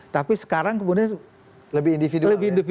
tapi sekarang kemudian lebih individu